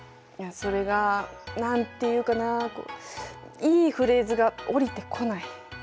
いやそれが何て言うかなあこういいフレーズが降りてこない。